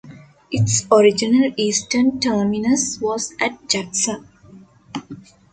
Its original eastern terminus was at Jackson.